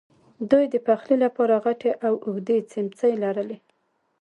دوی د پخلی لپاره غټې او اوږدې څیمڅۍ لرلې.